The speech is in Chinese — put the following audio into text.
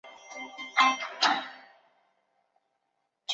该党以哇扬木偶戏中的查诺科为象征物。